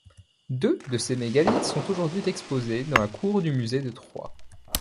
Deux de ces mégalithes sont aujourd'hui exposés dans la cour du musée de Troyes.